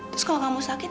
terus kalau kamu sakit